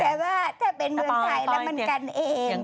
แต่ว่าถ้าเป็นเมืองไทยแล้วมันกันเอง